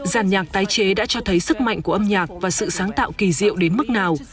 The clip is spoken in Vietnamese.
giàn nhạc tái chế đã cho thấy sức mạnh của âm nhạc và sự sáng tạo kỳ diệu đến mức nào